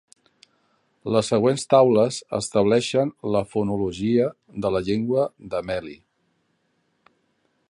Les següents taules estableixen la fonologia de la llengua dameli.